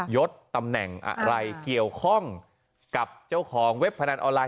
ยดตำแหน่งอะไรเกี่ยวข้องกับเจ้าของเว็บพนันออนไลน